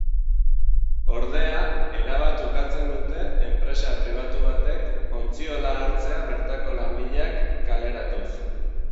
Ordea, erabat ukatzen dute enpresa pribatu batek ontziola hartzea bertako langileak kaleratuz.